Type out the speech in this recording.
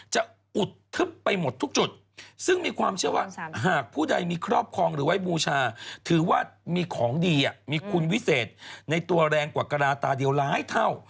อุดทึบไปหมดทุกจุดซึ่งมีความเชื่อว่าหากผู้ใดมีครอบครองหรือไว้บูชาถือว่ามีของดีมีคุณวิเศษในตัวแรงกว่ากระลาตาเดียวหลายเท่า